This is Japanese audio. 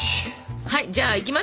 はいじゃあいきますよ。